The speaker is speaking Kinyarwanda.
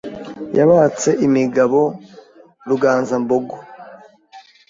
Yabatse imigabo Ruganzambogo